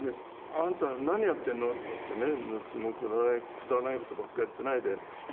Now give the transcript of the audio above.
「あなた何やってんの？」とか言ってね「いつもくだらない事ばっかりやっていないでなんかね